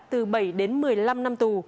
từ bảy đến một mươi năm năm tù